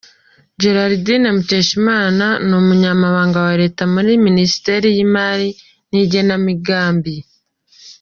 Gerardine Mukeshimana, n’Umunyamabanga wa Leta muri Minisiteri y’Imari n’igenamigambi Dr.